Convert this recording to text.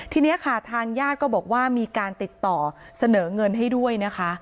ทีนี้ค่ะทางญาติก็บอกว่ามีการติดต่อเสนอเงินให้ด้วยนะคะ